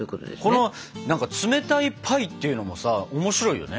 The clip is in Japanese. この冷たいパイっていうのもさ面白いよね。